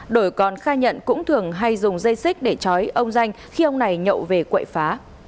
đổi còn khai nhận cũng thường hay dùng dây xích để chói ông danh khi ông này nhậu về quậy phá